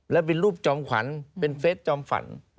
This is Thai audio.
และเป็นรูปจอมขวัญเป็นเฟสจอมฝัน